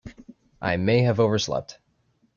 I may have overslept.